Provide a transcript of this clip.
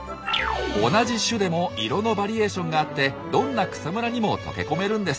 同じ種でも色のバリエーションがあってどんな草むらにも溶け込めるんです。